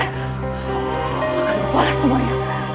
aku lupa lah semuanya